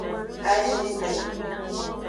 A shi ju.